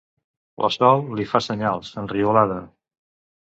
La Sol li fa senyals, enriolada.